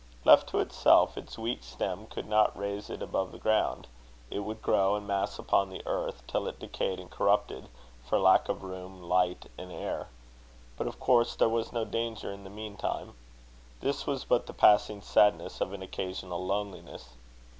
Left to itself, its weak stem could not raise it above the ground: it would grow and mass upon the earth, till it decayed and corrupted, for lack of room, light, and air. But, of course, there was no danger in the meantime. This was but the passing sadness of an occasional loneliness.